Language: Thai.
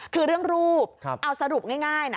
คือเรื่องรูปเอาสรุปง่ายนะ